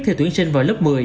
thi tuyển sinh vào lớp một mươi